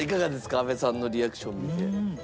阿部さんのリアクション見て。